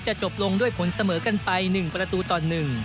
จะจบลงด้วยผลเสมอกันไปหนึ่งประตูตอนหนึ่ง